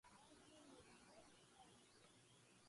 Allethrin was the first pyrethroid.